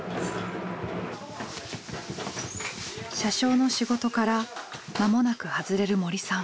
車掌の仕事から間もなく外れる森さん。